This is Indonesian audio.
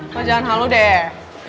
lo jangan halu deh